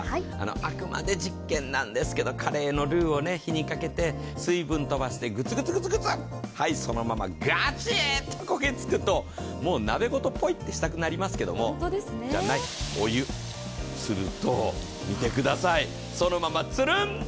あくまで実験なんですけどカレーのルーを火にかけて水分飛ばしてグツグツグツ、はいそのままガチッと焦げつくともう鍋ごとぽいってしたくなりますけど、じゃない、お湯、すると見てください、そのままつるん。